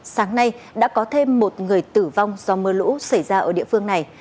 sáng nay đã có thêm một người tử vong do mưa lũ xảy ra ở địa phương này